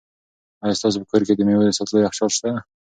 آیا ستاسو په کور کې د مېوو د ساتلو یخچال شته؟